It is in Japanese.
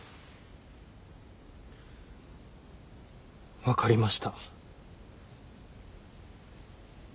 分かりました。